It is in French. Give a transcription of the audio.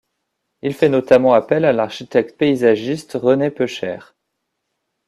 Il fait notamment appel à l'architecte paysagiste René Pechère.